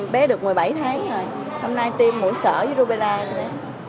bé được một mươi bảy tháng rồi hôm nay tiêm mũi sợi với rubella rồi đấy